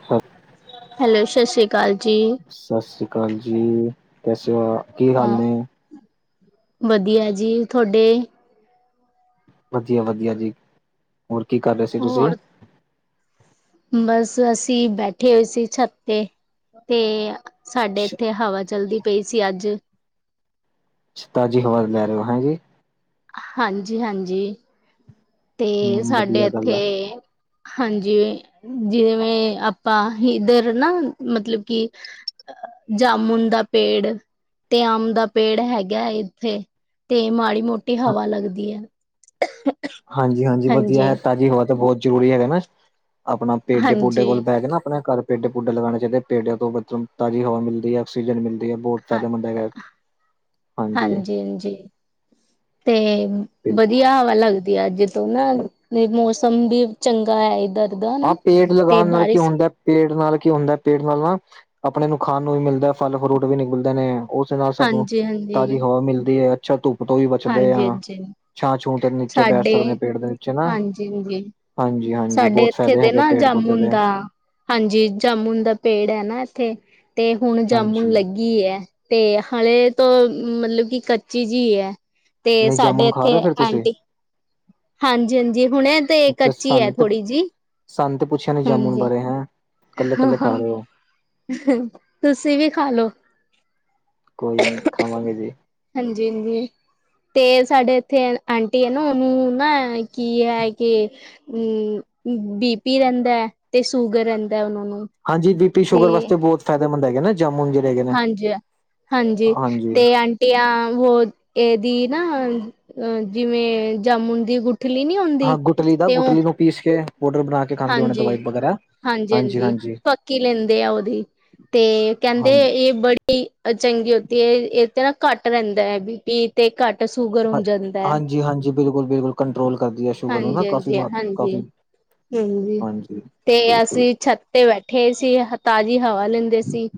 [unintelligible] Hello, ਸਸ਼ ਸ਼੍ਰੀ ਕਾਲ ਜੀ। ਸਤਿ ਸ੍ਰੀ ਅਕਾਲ ਜੀ, ਕੈਸ ਹੋ ਆਪ ਕੀ ਹਾਲ ਨੇ? ਵਦੀਆ ਜੀ, ਥੋਡੇ? ਵਦੀਆ-ਵਦੀਆ ਜੀ, ਹੋਰ ਕੀ ਕਰ ਰੇ ਸੀ ਤੁਸੀ? ਹੋਰ ਬਸ, ਅਸੀ ਬੈਠੇ ਹੋਏ ਸੀ ਛੱਤ ਤੇ ਤੇ ਸਾਡੇ ਏਥੇ ਹਵਾ ਚਲਦੀ ਪਈ ਸੀ ਅੱਜ। ਤਾਜੀ ਹਵਾ ਲੈ ਰੇਓ, ਹੈਂਜੀ? ਹਾਂਜੀ-ਹਾਂਜੀ, ਤੇ ਹਮ ਸਾਡੇ ਵਧੀਆ ਗੱਲ ਏਥੇ ਆ ਹਾਂਜੀ, ਜਿਵੇਂ ਆਪਾਂ ਏਧਰ ਨਾ ਮਤਲਬ ਕਿ ਜਾਮੁਨ ਦਾ ਪੇੜ ਤੇ ਅੰਬ ਦਾ ਪੇੜ ਹੈਗਾ ਏਥੇ ਤੇ ਮਾੜੀ-ਮੋਟੀ ਹਵਾ ਲੱਗਦੀ ਐ। ਹਾਂਜੀ-ਹਾਂਜੀ ਵਦੀਆ ਐ, ਤਾਜੀ ਹਵਾ ਤਾਂ ਬੋਤ ਜਰੂਰੀ ਹੈਗਾ ਨਾ ਅਪਨਾ ਪੇਡੇ-ਪੂਡੇ ਹਾਂਜੀ-ਹਾਂਜੀ ਕੋਲ ਬੈ ਕੇ ਨਾ ਅਪਨੇ ਘਰ ਪੇਡੇ ਪੂਡੇ ਲਗਾਣੇ ਚਾਈਦੇ। ਪੇਡੇਆਂ ਤੋਂ ਮਤਲਬ ਤਾਜੀ ਹਵਾ ਮਿਲਦੀ ਐ ਆਕਸੀਜਨ ਮਿਲਦੀ। ਤੇ ਬੋਤ ਹਾਂ ਫੈਦੇਮੰਦ ਹੈਗਾ। ਹਾਂਜੀ ਹਾਂਜੀ-ਹਾਂਜੀ, ਤੇ ਬਧੀਆ ਹਵਾ ਲੱਗਦੀ ਐ ਜਿਸ ਨਾ ਮੌਸਮ ਬੀ ਚੰਗਾ ਐ ਏਧਰ। ਆ ਪੇਡ ਲਗਾਨ ਨਾਲ ਕੀ ਹੁੰਦੈ ਪੇੜ ਨਾਲ ਕੀ ਹੁੰਦਾ ਪੇੜ ਨਾਲ ਨਾ ਆਪਣੇ ਨੂੰ ਖਾਣ ਨੂੰ ਵੀ ਮਿਲਦਾ, ਫਲ-ਫਰੂਟ ਵੀ ਮਿਲਦੇ ਨੇ। ਓਸ ਨਾਲ ਸਾਨੂੰ ਹਾਂਜੀ ਹਾਂਜੀ ਤਾਜੀ ਹਵਾ ਮਿਲਦੀ ਐ। ਅੱਛਾ ਧੁੱਪ ਤੋਂ ਵੀ ਬਚਦੇ ਹਾਂਜੀ ਆਂ। ਹਾਂਜੀ ਛਾਂ-ਛੂਹ ਤੇ ਨੀਚੇ ਬੈਠ ਸਾਡੇ ਸਕਦੇ ਆਂ ਪੇੜ ਦੇ ਨਿਚੇ ਨਾ। ਹਾਂਜੀ-ਹਾਂਜੀ, ਬੋਤ ਥੇ ਦੇ ਨਾ ਜਾਮੁਣ ਦਾ ਹਾਂਜੀ, ਜਾਮੁਨ ਦਾ ਪੇੜ ਹੈ ਨਾ ਏਥੇ ਤੇ ਹੁਣ ਜਾਮੁਨ ਹਾਂਜੀ ਲੱਗ ਗੀ ਐ, ਤੇ ਹਲੇੇ ਤੋ ਮਤਲਬ ਕਿ ਕੱਚੀ ਜੀ ਐ। ਤੇ ਨਹੀਂ ਸਾਡੇ ਜਾਮੁਨ ਖਾ ਰਹੇ ਏਥੇ ਹੋ ਫਿਰ ਤੁਸੀਂ ਆਂਟੀ ਹਾਂਜੀ-ਹਾਂਜੀ ਹੁਣੇ ਤੇ ਅੱਛਾ, ਕੱਚੀ ਐ ਸਾਨੂੰ ਤੇ ਥੋੜੀ ਜੀ। ਸਾਨੂੰ ਤੇ ਪੁੱਛਿਆ ਨੇ ਜਾਮੁਨ ਬਾਰੇ, ਹੈਂ। ਕੱਲੇ ਕੱਲੇ ਖਾ ਰਹੇ ਹੋ [unintelligible] ਤੁਸੀ ਵੀ ਖਾ ਲੋ। ਕੋਈ ਨੀ ਖਾਵਾਂਗੇ ਜੀ। ਹਾਂਜੀ-ਹਾਂਜੀ, ਤੇ ਸਾਡੇ ਏਥੇ ਆਂਟੀ ਏ ਨਾ ਓਨੂੰ ਨਾ ਕੀ ਐ ਕਿ ਊਂ ਬੀਪੀ ਰੈਂਦਾ ਐ ਤੇ ਸ਼ੂਗਰ ਰੈਂਦ ਦੈ ਓਨਾਂ ਨੂੰ। ਹਾਂਜੀ, ਬੀ ਪੀ ਤੇ ਸ਼ੂਗਰ ਵਾਸਤੇਹੁਤ ਫੈਦੇੰਮੰਦ ਹੈਨਾ ਜਾਮੁਨ ਜੇੜੇ ਹੈਗੇ। ਨੇ ਹਾਂਜੀ-ਹਾਂਜੀ ਹਾਂਜੀ ਤੇ ਆਂਟੀ ਹੋ ਏਦੀ ਨਾ ਅ ਜਿਵੇਂ ਜਾਮੁਨ ਦੀ ਗੁਟ ਲੀ ਨੀ ਹੁੰਦੀ ਹਾਂ ਗੁਟਲੀ ਦਾ ਤੇ ਓ ਗੁਟਲੀ ਨੂੰ ਪੀਸ ਕੇ ਪੋਡਰ ਬਣਾ ਕੇ ਖਾਂਦੇ ਹੋਣੇ, ਦਵਾਈ ਵਗੈਰਾ। ਹਾਂਜੀ ਹਾਂਜੀ-ਹਾਂਜੀ ਹਾਂਜੀ ਫੱਕੀ ਲੈਂਦੇ ਆ ਓਦੀ, ਤੇ ਕੈਂਦੇ ਹਾਂਜੀ ਏ ਬੜੀ ਚੰਗੀ ਹੋਤੀ ਹੈ ਏਤੇ ਨਾ ਘੱਟ ਰੈਂਦਾ ਏ ਬੀਪੀ। ਤੇ ਕੱਟ ਸ਼ੂਗਰ ਹੋ ਜਾਂਦੈ। ਬਿਲਕੁਲ-ਬਿਲਕੁਲ ਕੰਟਰੋਲ ਕਰਦੀ ਐ ਸ਼ੂਗਰ ਨੂੰ ਕਾਫੀ ਹਾਂਜੀ-ਹਾਂਜੀ, ਹਾਂਜੀ, ਕਾਫੀ ਹਾਂਜੀ। ਤੇ ਅਸੀਂ ਛੱਤ ਤੇ ਬੈਠੇ ਸੀ ਤਾਜ਼ੀ ਹਵਾ ਲੈਂਦੇ ਸੀ।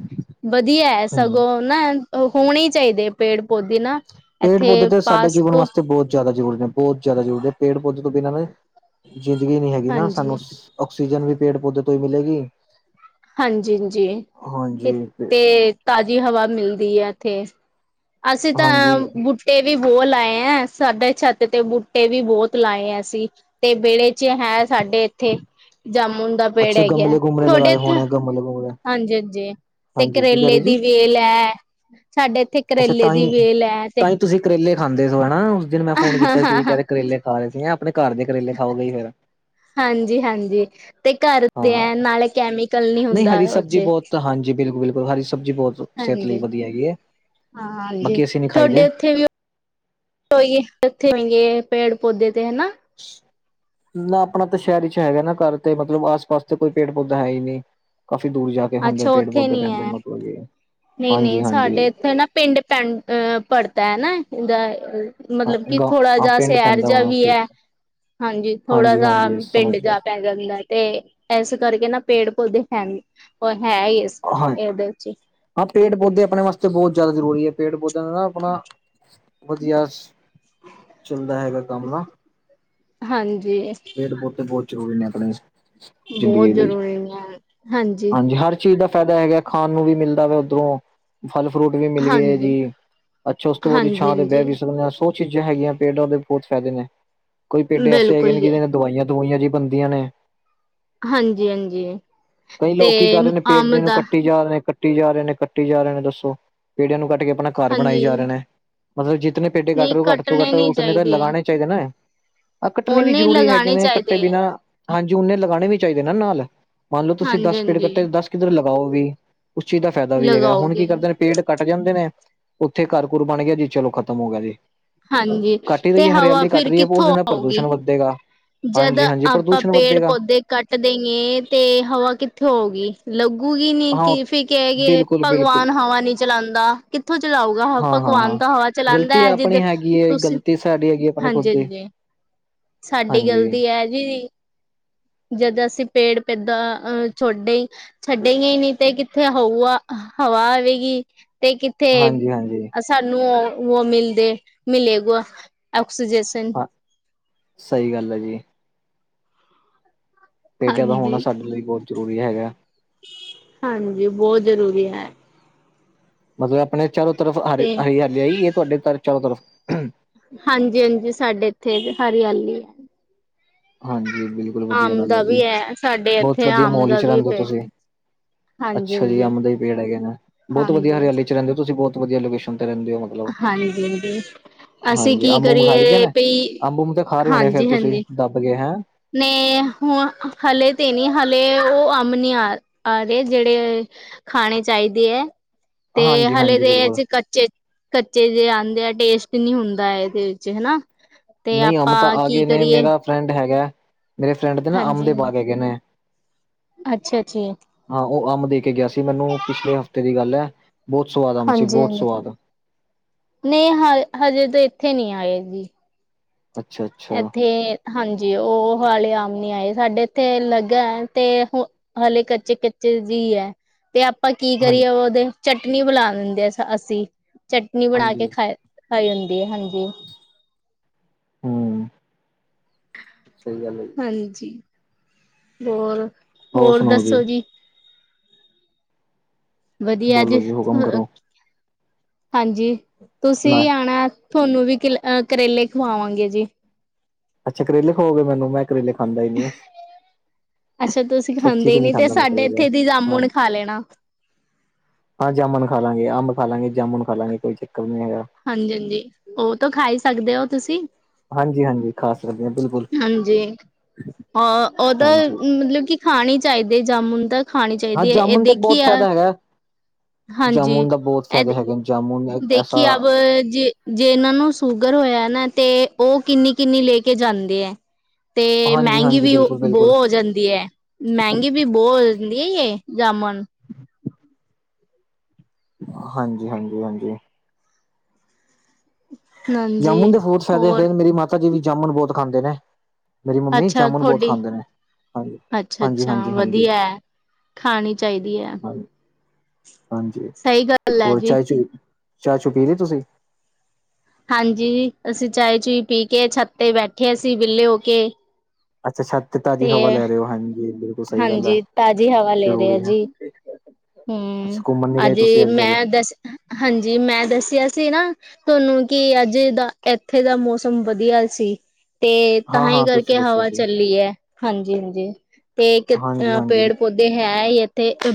ਵਦੀਆ ਹਾਂਜੀ ਸਗੋਂ ਨਾ ਹੋਨੇ ਈ ਚਾਈਦੇ। ਪੇੜ-ਪੌਦੇ ਨਾ ਇੱਥੇ ਪਾਸ ਤੋਂ ਜਾਦਾ ਜ਼ਰੂਰੀ ਨੇ ਬੋਤ ਜਾਦਾ ਜ਼ਰੂਰੀ ਨੇ ਪੇੜ-ਪੌਦੇੇ ਤੋਂ ਬਿਨਾਂ ਨੇ ਜ਼ਿੰਦਗੀ ਨੀ ਹੈਗੀ ਨਾ ਸਾਨੂੰ ਹਾਂਜੀ, ਆਕਸੀਜਨ ਵੀ ਪੇੜ-ਪੌਦੇ ਤੋਂ ਈ ਮਿਲੇਗੀ। ਹਾਂਜੀ-ਹਾਂਜੀ ਇ ਤੇ ਤਾਜ਼ੀ ਹਵਾ ਮਿਲਦੀ ਐ ਇੱਥੇ। ਅਸੀਂ ਹਾਂਜੀ ਤਾਂ, ਬੂਟ ਬੇ ਵੀ ਬੋਤ ਲਾਏ ਐ ਸਾਡੇ ਛੱਤ ਤੇ ਬੂਟੇ ਵੀ ਬੋਤ ਲਾਏ ਐ ਅਸੀਂ, ਤੇ ਵਿਹੜੇ ਜੇ ਐ ਸਾਡੇ ਇੱਥੇ ਜਾਮੁਨ ਦਾ ਪੇੜ ਅੱਛੇ ਹੈਗਾ। ਗਮਲੇ-ਗੁਮਲੇ ਤੁਹਾਡੇ ਲਗਾਏ ਇੱਥੇ ਹੋਨੇ ਗਮਲੇ-ਗੁਮਲੇ। ਹਾਂਜੀ-ਹਾਂਜੀ ਤੇ ਕਰੇਲੇ ਦੀ ਵੇਲ ਐ ਸਾਡੇ ਇੱਥੇ ਅੱਛਾ ਕਰੇਲੇ ਦੀ ਤਾਂਹੀ, ਵੇਲ ਐ ਤੇ ਤਾਂਹੀ ਤੁਸੀਂ ਕਰੇਲੇ ਖਾਂਦੇ ਸੋ ਹੈਨਾ, ਓਸ ਦਿਨ ਮੈਂ ਫੋਨ ਕੀਤਾ ਤੁਸੀਂ ਕੈ ਰਹੇ ਕਰੇਲੇ ਖਾ ਰਹੇ ਸੀ, ਆਪਨੇ ਘਰ ਦੇ ਕਰੇਲੇ ਖਾਓਗੇ ਫੇਰ ਹਾਂਜੀ-ਹਾਂਜੀ ਤੇ ਘਰ ਦੇ ਏ ਨਾਲੇ ਕੈਮੀ ਨਈ ਹਰੀ ਸਬਜ਼ੀ ਬੋਤ ਹਾਂਜੀ ਬਿਲਕੁਲ-ਬਿਲਕੁਲ ਹਰੀ ਸਬਜ਼ੀ ਬੋਤ ਹਾਂਜੀ, ਹਾਂ ਹਾਂਜੀ ਬਾਕੀ ਅਸੀਂ ਨੀ ਖਾਈ ਤੁਆਡੇ ਦੇ ਓਥੇ ਵੀ ਕੋਈ ਓਥੇ ਨੇ ਗੇ ਪੇੜ ਪੌਦੇੇ ਤੇ ਹਨਾ। ਨਾ ਆਪਨਾ ਤਾਂ ਸ਼ਹਿਰ ਚ ਹੈਗਾ ਨਾ ਘਰ, ਤੇ ਮਤਲਬ ਆਸ ਪਾਸ ਤੇ ਕੋਈ ਪੇੜ-ਪੌਦਾ ਹੈ ਹੀ ਨਈ। ਕਾਫੀ ਦੂਰ ਜਾ ਕੇ ਹੁੰਦੇ ਅੱਛਾ ਨੇ ਉੱਥੇ ਪੇੜ-ਪੌਦੇੇ ਨੀ ਪੈਂਦੇ ਨੇ ਐ। ਮਤਲ ਨਈ-ਨਈ ਸਾਡੇ ਇੱਥੇ ਨਾ ਪਿੰਡ ਪਿੰ ਅ ਪੜਤਾ ਐ, ਇਧਰ ਮਤਲਬ ਕਿ ਗ ਥੋੜਾ ਜਿ ਪਿੰਡ ਸੈਰ ਪੈਂਦਾ ਜਾ ਹੋਣਾ ਵੀ ਠੀਕ ਐ। ਹਾਂਜੀ ਥੋੜਾ ਜ ਹਾਂਜੀ ਸਮਝ ਪਿੰਡ ਗਿਆ ਜਾ ਪੈ ਜਾਂਦਾ। ਤੇ ਏਸ ਕਰਕੇ ਨਾ ਪੇੜ-ਪੌਦੇੇ ਹੈਨੀ ਔਰ ਹੈ ਈ ਏਸ ਹਾਂ ਏਦੇ ਵਿੱਚ ਹਾਂ ਪੇੜ-ਪੌਦੇ ਆਪਨੇ ਵਾਸਤੇ ਬੋਤ ਜਾਦਾ ਜ਼ਰੂਰੀ ਐ, ਪੇੜ ਪੌਦਿਆਂ ਨੂੰ ਨਾ ਆਪਨਾ ਵਦੀਆਂ ਸ ਚੱਲਦਾ ਹੈਗਾ ਕੰਮ ਨਾ, ਹਾਂਜੀ ਪੇੜ-ਪੌਦੇ ਬੋਤ ਜ਼ਰੂਰੀ ਨੇ ਆਪਨੇ ਚ ਬੋਤ ਜ਼ਰੂਰੀ ਨੇ। ਹਾਂਜੀ ਹਰ ਚੀਜ਼ ਦਾ ਫੈਦਾ ਹੈਗਾ ਖਾਨ ਨੂੰ ਵੀ ਮਿਲਦਾ ਵਾ ਓਦਰੋਂ ਫਲ ਫਰੂਟ ਵੀ ਮਿਲ ਗਏ ਹਾਂਜੀ, ਜੀ, ਅੱਛਾ ਓਸ ਤੋਂ ਬਾਦ ਛਾਂ ਹਾਂਜੀ, ਤੇ ਬਹਿ ਹਾਂਜੀ ਵੀ ਸਕਦੇ ਹਾਂ। ਬੋਤ ਚੀਜ਼ਾਂ ਹੈਗੀਆਂ ਪੇਡਾਂ ਦੇ ਬੋਤ ਫੈਦੇ ਨੇ, ਕੋਈ ਪੇਡੇ ਐਸੇ ਹੈਗੇ ਬਿਲਕੁਲ ਨੇ ਜੀ। ਜਿਦੇ ਨੇ ਦਵਾਈਆਂ-ਦਵਾਈਆਂ ਜੀ। ਬੰਦੀਆਂ ਨੇ। ਹਾਂਜੀ-ਹਾਂਜੀ। ਕਈ ਲੋਕ ਕੀ ਕਰ ਰਹੇ ਨੇ ਪੇੜੇ ਨੂੰ ਕੱਟੀ ਜਾ ਰਹੇ ਨੇ, ਕੱਟੀ ਜਾ ਰਹੇ ਨੇ, ਕੱਟੀ ਜਾ ਰਹੇ ਨੇ ਦੱਸੋ ਪੇੜਿਆਂ ਨੂੰ ਕੱਟ ਕੇ ਆਪਨੇ ਘਰ ਬਣਾਈ ਜਾ ਹਾਂਜੀ ਰਹੇ ਨੇ, ਮਤਲਬ ਜਿਤਨੇ ਪੇਡੇ ਕੱਟ ਨਹੀਂ ਰਹੇ ਘੱਟ ਤੋਂ ਕੱਟਣੇ ਘੱਟ ਨੀ ਓਤਨੇ ਤਾਂ ਚਾਹੀਦੇ ਹੈ। ਲਗਾਣੇ ਚਾਈਦਾ ਨਾ, ਆਹ ਕੱਟਣੇ ਵੀ ਓਨੇ ਹੀ ਜ਼ਰੂਰੀ ਹੈਗੇ ਲਗਾਣੇ ਨੇ ਕੱਟੇ ਚਾਹੀਦੇ ਹੈ ਬਿਨਾਂ ਹਾਂਜੀ ਓਨੇ ਲਗਾਨੇ ਵੀ ਚਾਈਦੇ ਨਾ ਨਾਲ, ਮੰਨ ਲਓ ਤੁਸੀਂ ਹਾਂਜੀ, ਦਸ ਪੇੜ ਹਾਂਜੀ ਕੱਟੇ ਦਸ ਕਿੱਧਰ ਲਗਾਓ ਵੀ। ਓਸ ਚੀਜ਼ ਦਾ ਫੈਦਾ ਵੀ ਹੈਗਾ, ਹੁਨ ਲਗਾਓਗੇ। ਕੀ ਕਰਦੇ ਪੇੜ ਕੱਟ ਜਾਂਦੇ ਨੇ, ਓਥੇ ਘਰ-ਘੁਰ ਬਨ ਗਿਆ ਜੀ ਚਲੋ ਖ਼ਤਮ ਹੋ ਗਿਆ ਜੀ। ਹਾਂਜੀ ਕੱਟ ਹੀ ਤੇ ਰਹੀ ਹੈ ਹਵਾ ਹਰਿਆਲੀ ਫੇਰ ਕਿੱਥੋਂ ਆਓਗੀ। ਕੱਟ ਦੇਗਾ। ਜਦ ਆਪਾਂ ਪੇੜ-ਪੌਦੇ ਕੱਟ ਦੇਏ ਤੇ ਹਵਾ ਕਿੱਥੋ ਆਓਗੀ। ਲੱਗੂਗੀ ਨੀ ਹਾਂ ਕਿ ਫੇਰ ਕਹਿ ਗਏ ਬਿਲਕੁਲ ਬਿਲਕੁਲ ਭਗਵਾਨ ਹਵਾ ਨੀ ਚਲਾਦਾ। ਕਿਥੋਂ ਚਲਾਊਗਾ ਹ ਹਾਂ ਹਾਂ ਭਗਵਾਨ ਹਾਂ ਤਾਂ ਹਵਾ ਚਲਾਦਾ ਗ਼ਲਤੀ ਐ, ਜਿੱਦ ਆਪਣੀ ਹੈਗੀ ਹੈ ਤੁਸੀਂ ਗ਼ਲਤੀ ਸਾਡੀ ਹੈਗੀ ਆਪਣੇ ਖੁਦ ਦੀ ਹਾਂਜੀ-ਹਾਂਜੀ। ਸਾਡੀ ਹਾਂਜੀ ਗਲਤੀ ਐ ਜੀ। ਜਦ ਅਸੀਂ ਪੇੜ ਪੋਦਾ ਅ ਛੋਡੇ ਛੱਡੇ ਗੇ ਹੀ ਨੀ ਤੇ ਕਿੱਥੇ ਹਊਆ ਹਵਾ ਆਵੇਗੀ ਤੇ ਕਿੱਥੇ ਹਾਂਜੀ ਹਾਂਜੀ ਸਾਨੂੰ ਉਹ- ਉਹ ਮਿਲਦੇ ਮਿਲੇਗਾ ਆਕਸੀ ਜਸਨ ਹਾਂ ਸਹੀ ਗੱਲ ਹੈ ਜੀ। ਪੇਡਾਂ ਦਾ ਹੋਣਾ ਹਾਂਜੀ ਸਾਡੇ ਲਈ ਬਹੁਤ ਜ਼ਰੂਰੀ ਹੈਗਾ। ਹਾਂਜੀ ਬਹੁਤ ਜ਼ਰੂਰੀ ਹੈ। ਮਤਲਬ ਆਪਣੇ ਚਾਰੋ ਤਰਫ ਹਰੀ ਤੇ ਹਰੀ ਆਈ ਹੈ, ਤੁਹਾਡੇ ਚਾਰੋ ਤਰਫ ਹਾਂਜੀ- ਹਾਂਜੀ ਸਾਡੇ ਇੱਥੇ ਹਰਿਆਲੀ ਹੈ। ਹਾਂਜੀ ਬਿਲਕੁਲ ਵਧੀਆ ਆਮ ਗੱਲ ਹੈ ਦਾ ਜੀ, ਵੀ ਸਾਡੇ ਬਹੁਤ ਇੱਥੇ ਵਧੀਆ ਆਮ ਮਾਹੌਲ ਦਾ ਵਿੱਚ ਵੀ ਰਹਿੰਦੇ ਹੋ ਪੇੜ ਤੁਸੀਂ। ਹਾਂਜੀ ਅੱਛਾ ਜੀ, ਹਾਂਜੀ ਅੰਬ ਦੇ ਹੀ ਪੇੜ ਹੈਗੇ ਨੇ, ਬਹੁਤ ਵਧੀਆ ਹਾਂਜੀ ਹਰਿਆਲੀ ਚ ਰਹਿੰਦੇ ਹੋ ਤੁਸੀਂ ਬਹੁਤ ਵਧੀਆ ਲੋਕੇਸ਼ਨ ਤੇ ਰਹਿੰਦੇ ਹੋ। ਮਤਲਬ ਹਾਂਜੀ। ਅਸੀਂ ਹਾਂਜੀ ਕੀ ਅੰਬ ਉਬ ਖਾਈ ਦੇ ਕਰੀਏ ਨੇ ਪਈ ਅੰਬ ਉਬ ਤਾਂ ਖਾ ਰਹੇ ਹੋਣੇ ਫੇਰ ਤੁਸੀਂ ਹਾਂਜੀ-ਹਾਂਜੀ ਦੱਬ ਗਏ ਹੈਂ। ਨੇ ਹੁਆ ਹਲੇ ਤੇ ਨਹੀਂ ਹਲੇ, ਉਹ ਅਮ ਨੀ ਆ ਆਗੇ ਜਿਹੜੇ ਖਾਣੇ ਚਾਹੀਦੇ ਹੈ, ਤੇ ਹਾਂਜੀ ਹਲੇ ਹਾਂਜੀ ਦੇ ਬਿਲਕੁਲ ਇਚ ਕੱਚੇ ਕੱਚੇ ਜੇ ਆਂਦੇ ਆ ਟੇਸਟ ਨੀ ਹੁੰਦਾ ਏਦੇ ਵਿੱਚ ਹਨਾ। ਤੇ ਨਈ ਅਮ ਤਾਂ ਆਪਾਂ ਆ ਕੀ ਗਏ ਨੇ ਕਰੀਏ ਮੇਰਾ ਫਰੈਂਡ ਹੈਗਾ, ਮੇਰੇ ਫਰੈਂਡ ਦੇ ਨਾ, ਅੰਬ ਹਾਂਜੀ ਦੇ ਬਾਗ ਹੈਗੇ ਨੇ। ਅੱਛਾ ਜੀ। ਹਾਂ, ਉਹ ਅੰਬ ਦੇ ਕੇ ਗਿਆ ਸੀ ਮੈਨੂੰ, ਪਿਛਲੇ ਹਫ਼ਤੇ ਦੀ ਗੱਲ ਹੈ। ਬਹੁਤ ਸਵਾਦ ਅੰਬ ਸੀ, ਹਾਂਜੀ ਬਹੁਤ ਹਾਂਜੀ ਸਵਾਦ। ਨਹੀਂ, ਹਾ ਹਜੇ ਤਾਂ ਇੱਥੇ ਨਹੀਂ ਆਏ ਜੀ। ਅੱਛਾ ਅੱਛਾ ਐਥੇ ਹਾਂਜੀ, ਉਹ ਵਾਲੇ ਅਮ ਨੀ ਆਏ, ਸਾਡੇ ਇੱਥੇ ਲਗਾ ਤੇ ਹਲੇੇ ਕੱਚੇ-ਕੱਚੇ ਜੀ ਹੈ। ਤੇ ਆਪਾਂ ਕੀ ਹਾਂ ਕਰੀਏ, ਉਹਦੇ ਚਟਨੀ ਬਨਾ ਦਿੰਦੇ ਆ ਅਸੀਂ। ਚਟਨੀ ਬਣਾ ਕੇ ਹਾਂਜੀ ਖਾਈ ਜਾਂਦੀ ਹੈ, ਹਾਂਜੀ। ਹੰਮ ਜੀ। ਹਾਂਜੀ, ਹੋਰ, ਹੋਰ ਦੱਸੋ ਜੀ? ਵਦੀਆ ਬੋਲੋ ਜੀ। ਹੁਕਮ ਕਰੋ ਹਾਂਜੀ, ਨਾ ਤੁਸੀਂ ਆਣਾ, ਤੁਹਾਨੂੰ ਵੀ ਕੱਲ ਅ ਕਰੇਲੇ ਖਵਾਵਾਂਗੇ ਜੀ। ਅੱਛਾ, ਕਰੇਲੇ ਖਾਓਗੇ ਮੈਨੂੰ, ਮੈਂ ਕਰੇਲੇ ਖਾਂਦਾ ਹੀ ਨਹੀਂ। ਅੱਛਾ, ਤੁਸੀਂ ਸੱਚੀ ਚ ਖਾਂਦੇ ਨਹੀਂ ਨੀ, ਤੇ ਖਾਂਦਾ ਮੈਂ ਸਾਡੇ ਕਰੇਲੇ ਇੱਥੇ ਦੀ ਹਾਂ ਜਾਮੁਣ ਖਾ ਲੈਣਾ। ਹਾਂ, ਜਾਮੁਨ ਖਾ ਲਾਂਗੇ, ਅੰਬ ਖਾ ਲਾਂਗੇ, ਜਾਮੁਨ ਖਾ ਲਾਂਗੇ, ਕੋਈ ਚੱਕਰ ਨੀ ਹੈਗਾ। ਹਾਂਜੀ-ਹਾਂਜੀ, ਉਹ ਤਾਂ ਖਾ ਹੀ ਸਕਦੇ ਹੋ, ਤੁਸੀਂ। ਹਾਂਜੀ ਹਾਂਜੀ ਖਾ ਸਕਦੇ ਹਾਂ ਬਿਲਕੁਲ ਹਾਂਜੀ, ਅ ਉਹਦਾ ਹਾਂਜੀ ਮਤਲਬ ਕਿ ਖਾਣੀ ਚਾਹੀਦੇ, ਜਾਮੁਨ ਤਾਂ ਖਾਣੀ ਹਾਂ ਚਾਹੀਦੀ ਹੈ, ਇਹ ਜਾਮੁਨ ਤੇ ਦੇਖੀ ਬਹੁਤ ਆ ਫਾਇਦਾ ਹੈਗਾ। ਹਾਂਜੀ, ਜਾਮੁਨ ਦਾ ਬਹੁਤ ਇਹ ਫਾਇਦੇ ਹੈਗੇ ਨੇ ਜਾਮੁਨ ਐਸਾ ਦੇਖੀ ਆਪ ਜੀਹਨਾਂ ਨੂੰ ਸ਼ੂਗਰ ਹੋਇਆ ਨਾ, ਤੇ ਉਹ ਕਿੰਨੀ-ਕਿੰਨੀ ਲੈ ਕੇ ਜਾਂਦੇ ਹੈ। ਤੇ ਹਾਂਜੀ ਮਹਿੰਗੀ ਹਾਂਜੀ ਵੀ ਬਿਲਕੁਲ ਬਿਲਕੁਲ ਬੋਹ ਹੋ ਜਾਂਦੀ ਹੈ, ਮਹਿੰਗੀ ਵੀ ਬੌਹ ਲੇ ਹੀਏ ਜਾਮੁਨ ਹਾਂਜੀ-ਹਾਂਜੀ- ਹਾਂਜੀ। ਹਾਂਜੀ ਜਾਮੁਨ ਦੇ ਬੋਹਤ ਫਾਇਦੇ ਹੋਰ ਨੇ, ਮੇਰੀ ਮਾਤਾ ਜੀ ਵੀ ਜਾਮੁਨ ਬਹੁਤ ਖਾਂਦੇ ਨੇ। ਮੇਰੀ ਮੰਮੀ ਅੱਛਾ ਜਾਮੁਨ ਬਹੁਤ ਤੁਹਾਡੀ ਖਾਂਦੇ ਨੇ, ਹਾਂ, ਅੱਛਾ-ਅੱਛਾ ਹਾਂਜੀ-ਹਾਂਜੀ, ਹਾਂਜੀ। ਵਧੀਆ ਹੈ ਖਾਣੀ ਚਾਹੀਦੀ ਹੈ। ਹਾਂਜੀ, ਸਹੀ ਗੱਲ ਹੈ ਹੋਰ ਜੀ ਚਾਹ-ਚੁ, ਚਾਹ-ਚੁ ਪੀ ਲਈ ਤੁਸੀਂ? ਹਾਂਜੀ, ਅਸੀਂ ਚਾਏ-ਚੁਏ ਪੀ ਕੇ, ਛੱਤ ਤੇ ਬੈਠੇ, ਅਸੀਂ ਵੇਹਲੇ ਹੋ ਕੇ। ਅੱਛਾੱ, ਛੱਤ ਤੇ ਤਾਜ਼ੀ ਹਵਾ ਲੈ ਰਹੇ ਹੋ, ਹਾਂਜੀ ਬਿਲਕੁਲ, ਸਹੀ ਗੱਲ ਹੈ ਹਾਂਜੀ, ਤਾਜ਼ੀ ਜ਼ਰੂਰੀ ਹੈ। ਅੱਛਾ ਹੂੰਮ, ਘੁੰਮਣ ਨੀ ਗਏ ਅਜੇ ਤੁਸੀਂ ਅੱਜ ਫੇਰ ਮੈਂ ਦੱਸ, ਹਾਂਜੀ, ਮੈਂ ਦੱਸਿਆ ਸੀ ਨਾ ਤੁਹਾਨੂੰ ਕਿ ਅੱਜ ਦਾ ਇੱਥੇ ਦਾ ਮੌਸਮ ਵਧੀਆ ਸੀ। ਤੇ ਹਾਂ ਤਾਂਹੀ ਹਾਂ ਤੁਸੀਂ ਕਰਕੇ ਦੱਸਿਆ ਹਵਾ ਸੀ ਚੱਲੀ ਹੈ, ਹਾਂਜੀ-ਹਾਂਜੀ, ਤੇ ਇੱਕ ਹਾਂਜੀ ਅ ਹਾਂਜੀ ਪੇੜ ਪੌਦੇ ਹੈ ਹੀ ਇੱਥੇ ਅ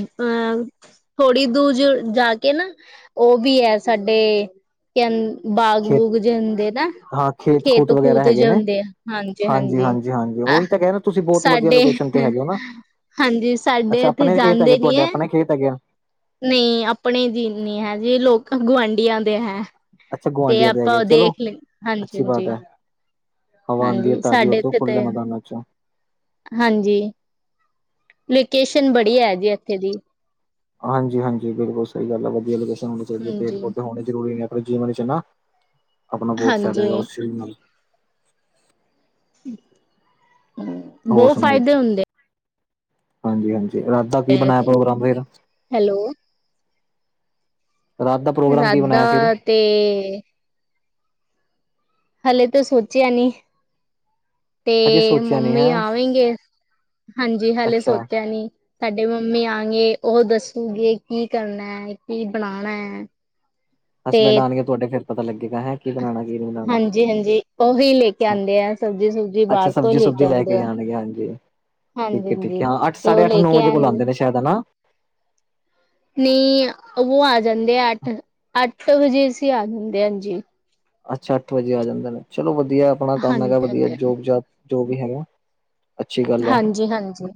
ਥੋੜ੍ਹੀ ਦੂਰ ਜਾ ਕੇ ਨਾ, ਉਹ ਵੀ ਹੈ ਸਾਡੇ ਕ ਖੇਤ ਬਾਗ-ਬੂਗ ਜੇ ਹੁੰਦੇ ਨਾ ਹਾਂ, ਖੇਤ ਖੇਤ-ਖੂਤ ਵਗੈਰਾ ਕੂਤ ਹੈਗੇ ਜੇ ਨੇ, ਹੁੰਦੇ ਆ ਹਾਂਜੀ ਹਾਂਜੀ ਹਾਂਜੀ-ਹਾਂਜੀ, ਹਾਂਜੀ, ਅਹ ਉਹੀ ਤਾਂ ਕਹਿਦੇ ਤੁਸੀਂ ਬਹੁਤ ਵਧੀਆ ਸਾਡੇ ਲੋਕੇਸ਼ਨ ਤੇ ਹੈਗੇ ਨਾ, ਹਾਂਜੀ ਸਾਡੇ ਅੱਛਾ, ਇੱਥੇ ਆਪਣੇ ਖੇਤ ਹੈਗੇ, ਜਾਂਦੇ ਨੀ ਤੁਹਾਡੇ ਹੈ ਆਪਣੇ ਖੇਤ ਹੈਗੇ ਆ। ਨਹੀਂ, ਆਪਣੇ ਦੀ ਨਹੀਂ ਹੈਗੇ, ਜੇ ਲੋਕ-ਗੁਆਂਢੀਆਂ ਦੇ ਹੈ। ਅੱਛਾ ਤੇ ਗੁਆਂਢੀਆਂ ਦੇ ਆਪਾਂ ਹੈਗੇ ਉਹ ਚਲੋ ਦੇਖ ਲਏ, ਅੱਛੀ ਹਾਂਜੀ-ਹਾਂਜੀ। ਬਾਤ ਹੈ ਹਵਾ ਆਂਦੀ ਹੈ ਹਾਂਜੀ, ਤਾਜ਼ੀ ਸਾਡੇ ਉਦੋਂ ਇੱਥੇ ਤੇ, ਖੁੱਲੇ ਮੈਦਾਨਾਂ ਚ ਹਾਂਜੀ। ਲੋਕੇਸ਼ਨ ਬੜੀ ਹੈ ਜੀ, ਇੱਥੇ ਦੀ। ਹਾਂਜੀ-ਹਾਂਜੀ, ਬਿਲਕੁਲ ਸਹੀ ਗੱਲ ਆ। ਵਧੀਆ ਲੋਕੇਸ਼ਨ ਹੋਣੀ ਚਾਹੀਦੀ ਹੈ, ਹਾਂਜੀ ਪੇਡ-ਪੌਧੇ ਹੋਣੇ ਜ਼ਰੂਰੀ ਨੇ। ਪਰ ਜੇ ਮੈਂਨ ਚਾਹਨਾ, ਆਪਣਾ ਬਹੁਤ ਫਾਇਦਾ ਹੈਗਾ, ਹਾਂਜੀ ਉਸ ਚੀਜ਼ ਨਾਲ ਹੂੰਮ। ਹੋਰ ਸੁਣਾਓ, ਹਾਂਜੀ-ਹਾਂਜੀ ਰਾ ਦਾ ਕੀ ਹੈ ਬਣਾਇਆ ਪ੍ਰੋਗਰਾਮ ਫੇਰ। ਹੈਲੋ ਪ੍ਰੋਗਰਾਮ ਰਾਤ ਕੀ ਬਣਾਇਆ ਫਿਰ ਦਾ ਤੇ ਹਲੇ ਤਾਂ ਸੋਚਿਆ ਨੀ ਅਜੇ ਤੇ ਸੋਚਿਆ ਨੀ ਮੰਮੀ ਹੈ ਆਵੇਂਗੇ, ਹਾਂਜੀ, ਹਾਲੇ ਅੱਛਾ ਸੋਚਿਆ ਨੀ। ਸਾਡੇ ਮੰਮੀ ਆਣਗੇ, ਉਹ ਦੱਸੂਗੇ ਕੀ ਕਰਨਾ ਹੈ, ਕੀ ਬਣਾਣਾ ਹੈ। [inaudible] ਹਸਬੈਂਡ ਆਣਗੇ ਤੁਹਾਡੇ ਫਿਰ ਪਤਾ ਲੱਗੇਗਾ ਹੈਂ? ਕੀ ਬਣਾਉਣਾ ਕੀ ਨਹੀਂ ਬਣਾਉਣਾ ਹਾਂਜੀ ਹਾਂਜੀ ਉਹੀ ਲੈ ਕੇ ਆਂਦੇ ਆ ਸਬਜ਼ੀ ਸੁਬਜੀ ਅੱਛਾ ਬਾਹਰ ਤੋਂ ਸਬਜ਼ੀ ਸੁਬਜੀ ਲੈ ਆਂਦੇ ਕੇ ਆ ਜਾਣਗੇ। ਜ ਠੀਕ ਹਾਂਜੀ ਹੈ ਠੀਕ ਹੈ ਹਾਂਜੀ ਹਾਂ ਅੱਠ ਤੇ ਉਹ ਸਾਢੇ ਅੱਠ ਲੈ ਨੌ ਕੇ ਵਜੇ ਕੋਲ ਆਏ ਬੁਲਾਉਂਦੇ ਨੇ ਸ਼ਾਇਦ ਹਨਾ। ਨਹੀਂ ਉਹ ਆ ਜਾਂਦੇ ਆ ਅੱਠ, ਅੱਠ ਵਜੇ ਅਸੀਂ ਆ ਜਾਂਦੇ ਹਾਂਜੀ। ਅੱਛਾ ਅੱਠ ਵਜੇ ਆ ਜਾਂਦੇ ਨੇ ਚਲੋ ਵਧੀਆ ਆਪਣਾ ਕੰਮ ਹੈਗਾ ਹਾਂਜੀ ਵਧੀਆ ਹਾਂਜੀ ਜੋਬ ਜੋ ਵੀ ਹੈਗਾ। ਅੱਛੀ ਗੱਲ ਹੈ ਹਾਂਜ, ਹਾਂਜੀ,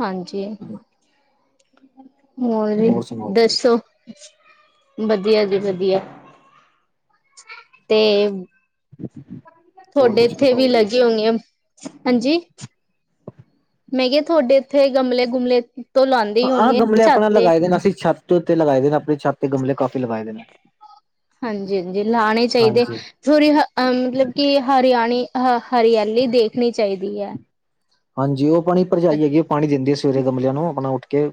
ਹਾਂਜੀ। ਹੋਰ ਦੱਸੋ। ਵਧੀਆ ਜੀ ਵਧੀਆ ਤੇ ਹੋਰ ਤੁਹਾਡੇ ਕੁਛ ਇੱਥੇ ਵੀ ਬਤਾਓ ਜੀ ਲਗੇ ਹੋਏ ਆ ਹਾਂਜੀ ਮੈਂ ਕਿਹਾ ਤੁਹਾਡੇ ਇੱਥੇ ਗਮਲੇ ਗੁਮਲੇ। ਤੋਂ ਲਾਉਂਦੇ ਹੀ ਆਹ ਹੋਣਗੇ ਗਮਲੇ ਆਪਣਾ ਛੱਤ ਤੇ ਲਗਾਏ ਦੇ ਨੇ ਅਸੀਂ ਛੱਤ ਉੱਤੇ ਲਗਾਏ ਦੇ ਨੇ ਆਪਣੀ ਛੱਤ ਤੇ ਗਮਲੇ ਕਾਫ਼ੀ ਲਗਾਏ ਦੇ ਨੇ ਹਾਂਜੀ ਹਾਂਜੀ ਲਾਉਣੇ ਚਾਹੀਦੇ ਹਾਂਜੀ ਮਤਲਬ ਕਿ ਹਰਿਆਣੀ ਹ ਹਰਿਆਲੀ ਦੇਖਣੀ ਚਾਹੀਦੀ ਹੈ। ਹਾਂਜੀ ਉਹ ਆਪਣੀ ਭਰਜਾਈ ਹੈਗੀ ਉਹ ਅੱਛਾ ਪਾਣੀ ਦਿੰਦੀ ਆ ਸਵੇਰੇ ਗਮਲਿਆਂ ਨੂੰ ਆਪਣਾ ਉੱਠ ਕੇ।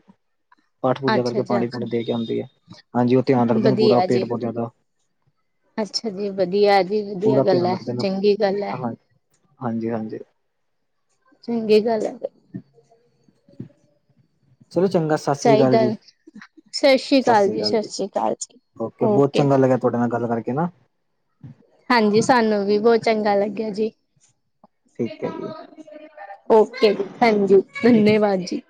ਪਾਠ ਪੂਜਾ ਅੱਛਾ ਕਰਕੇ ਪਾਣੀ ਪਾਣੀ ਦੇ ਅੱਛਾ ਕੇ ਆਉਂਦੀ ਹੈ ਹਾਂਜੀ ਉਹ ਧਿਆਨ ਰੱਖਦੇ ਨੇ ਪੂਰਾ ਵਧੀਆ ਜੀ ਪੇਟ ਪੌਦੇ ਦਾ। ਅੱਛਾ ਜੀ ਵਧੀਆ ਜੀ ਵਧੀਆ ਪੂਰਾ ਗੱਲ ਧਿਆਨ ਹੈ ਰੱਖਦੇ ਨੇ ਚੰਗੀ ਗੱਲ ਹੈ। ਹਾਂ ਹਾਂਜੀ ਹਾਂਜੀ। ਚੰਗੀ ਗੱਲ ਹੈ। ਚਲੋ ਚੰਗਾ ਸਗੋਂ। ਚਾਹੀਦਾ ਸਤਿ ਸ੍ਰੀ ਅਕਾਲ ਜੀ ਸਤਿ ਸ੍ਰੀ ਅਕਾਲ ਜੀ। ਓਕੇ ਬਹੁਤ ਚੰਗਾ ਲੱਗਿਆ ਤੁਹਾਡੇ ਨਾਲ ਗੱਲ ਕਰਕੇ ਨਾ ਹਾਂਜੀ ਸਾਨੂੰ ਵੀ ਬਹੁਤ ਚੰਗਾ ਲੱਗਿਆ ਜੀ। ਠੀਕ ਹੈ ਜੀ ਓਕੇ ਭੈਣ ਜੀ, ਧਨਿਯਾਵਾਦ ਜੀ।